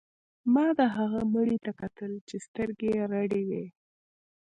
ما د هغه مړي ته کتل چې سترګې یې رډې وې